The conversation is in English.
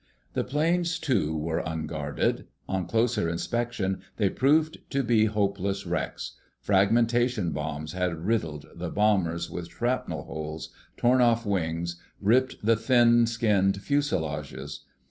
The planes, too, were unguarded. On closer inspection they proved to be hopeless wrecks. Fragmentation bombs had riddled the bombers with shrapnel holes, torn off wings, ripped the thin skinned fuselages.